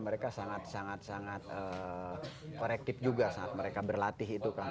mereka sangat sangat korektif juga saat mereka berlatih itu kan